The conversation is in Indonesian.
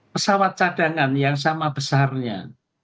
pesawat cadangan yang sama besarnya